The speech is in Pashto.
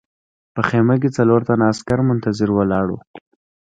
په خیمه کې څلور تنه عسکر منتظر ولاړ وو